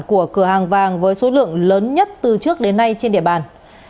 của cửa hàng vàng với số lượng lớn nhất từ trước đến nay trên địa bàn